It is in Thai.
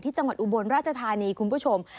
จังหวัดอุบลราชธานีคุณผู้ชม